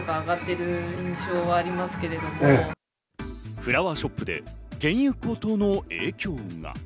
フラワーショップで原油高騰の影響が。